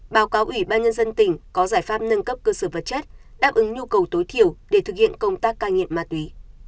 báo cáo ủy ban nhân dân tỉnh có giải pháp nâng cấp cơ sở vật chất đáp ứng nhu cầu tối thiểu để thực hiện công tác cai nghiện ma túy